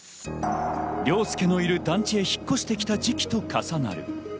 凌介のいる団地へ越してきた時期と重なる。